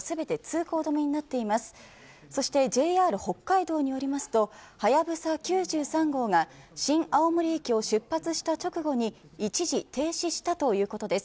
そして、ＪＲ北海道によりますとはやぶさ９３号が新青森駅を出発した直後に一時停止したということです。